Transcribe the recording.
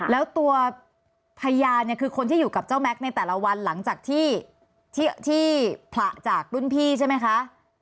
แล้วตัวพยานเนี่ยคือคนที่อยู่กับเจ้าแม็กซ์ในแต่ละวันหลังจากที่ผละจากรุ่นพี่ใช่ไหมคะ